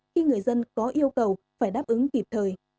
khi người dân có yêu cầu phải đáp ứng kịp thời